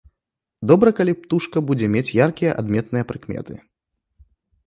Добра, калі птушка будзе мець яркія адметныя прыкметы.